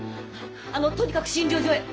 あのとにかく診療所へ。